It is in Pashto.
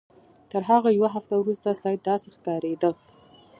تر هغه یوه هفته وروسته سید داسې ښکارېده.